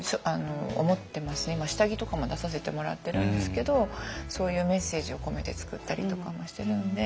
今下着とかも出させてもらってるんですけどそういうメッセージを込めて作ったりとかもしてるんで。